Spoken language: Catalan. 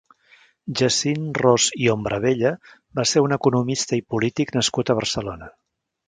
Jacint Ros i Hombravella va ser un economista i polític nascut a Barcelona.